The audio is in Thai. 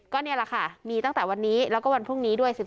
ก็นี่แหละค่ะมีตั้งแต่วันนี้แล้วก็วันพรุ่งนี้ด้วย